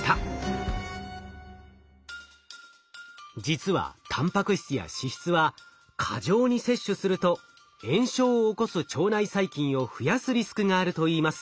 実はたんぱく質や脂質は過剰に摂取すると炎症を起こす腸内細菌を増やすリスクがあるといいます。